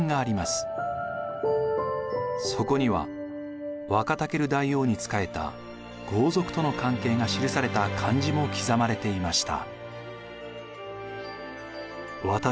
そこにはワカタケル大王に仕えた豪族との関係が記された漢字も刻まれていました。